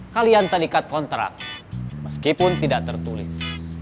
kalian tak diikat kontrak meskipun tidak tertulis